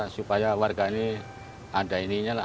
supaya warga ini ada ininya lah